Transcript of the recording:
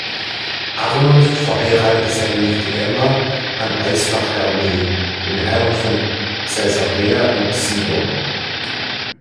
Arnulf verheiratete seine Nichte Emma an Eustach Garnier, den Herren von Caesarea und Sidon.